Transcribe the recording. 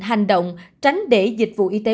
hành động tránh để dịch vụ y tế